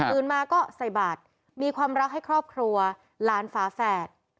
ตื่นมาก็ใส่บาทมีความรักให้ครอบครัวหลานฝาแฝด